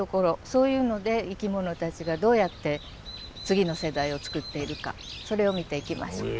そういうので生きものたちがどうやって次の世代を作っているかそれを見ていきましょう。